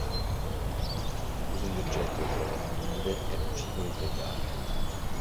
L'uso di oggetti oltre alle mani nude è nocivo e illegale.